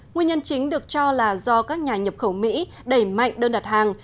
nguyên nhân chính được cho là do các nhà nhập khẩu mỹ đẩy mạnh đơn đặt hàng